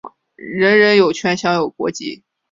人人有权享有国籍。